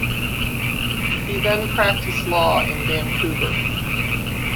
He then practiced law in Vancouver.